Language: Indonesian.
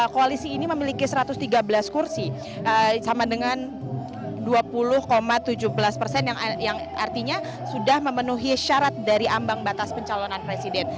koalisi ini memiliki satu ratus tiga belas kursi sama dengan dua puluh tujuh belas persen yang artinya sudah memenuhi syarat dari ambang batas pencalonan presiden